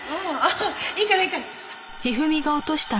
いいからいいから。